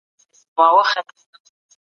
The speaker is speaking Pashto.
زکات د فقیرانو لپاره یو الهي او شرعي تحفه ده.